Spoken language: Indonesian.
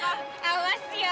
sama siapa ya